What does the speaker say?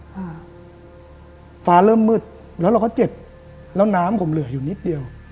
อ่าฟ้าเริ่มมืดแล้วเราก็เจ็บแล้วน้ำผมเหลืออยู่นิดเดียว